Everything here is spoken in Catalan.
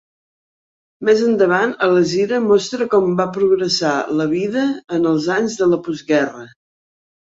Més endavant a la gira mostra com va progressar la vida en els anys de la postguerra.